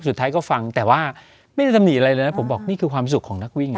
สุดท้ายก็ฟังแต่ว่าไม่ได้ตำหนิอะไรเลยนะผมบอกนี่คือความสุขของนักวิ่ง